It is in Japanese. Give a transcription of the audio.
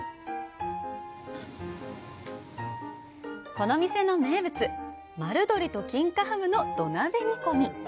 この店の名物、丸鶏と金華ハムの土鍋煮込み。